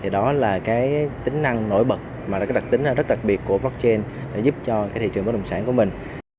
đó là tính năng nổi bật đặc tính rất đặc biệt của blockchain giúp cho thị trường bất đồng sản của mình